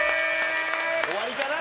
終わりかな？